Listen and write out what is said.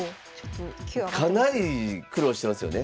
かなり苦労してますよね。